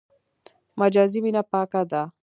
مجازي مینه پاکه ده.